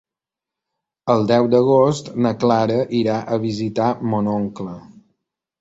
El deu d'agost na Clara irà a visitar mon oncle.